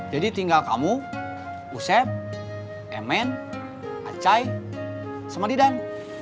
jadi tinggal kamu husep emen acay sama didan